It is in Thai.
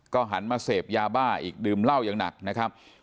หันมาเสพยาบ้าอีกดื่มเหล้าอย่างหนักนะครับ